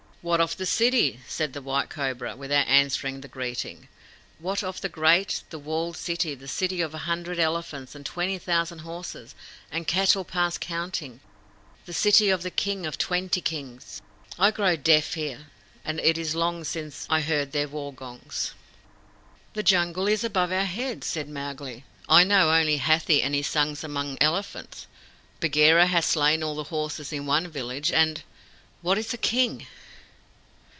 "What of the city?" said the White Cobra, without answering the greeting. "What of the great, the walled city the city of a hundred elephants and twenty thousand horses, and cattle past counting the city of the King of Twenty Kings? I grow deaf here, and it is long since I heard their war gongs." "The Jungle is above our heads," said Mowgli. "I know only Hathi and his sons among elephants. Bagheera has slain all the horses in one village, and what is a King?"